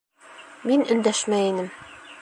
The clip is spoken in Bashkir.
Мин өндәшмәй инем.